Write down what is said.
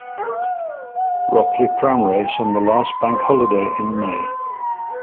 Ropley pram race on the last bank holiday in May.